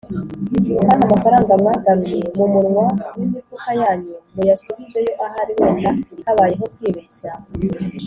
Kandi amafaranga mwagaruye mu munwa w imifuka yanyu muyasubizeyo ahari wenda habayeho kwibeshya